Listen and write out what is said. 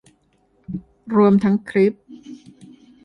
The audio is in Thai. รวมทั้งคลิป